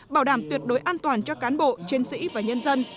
bảo đảm tuyệt đối an toàn cho cán bộ chiến sĩ và nhân dân